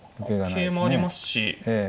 桂馬ありますし。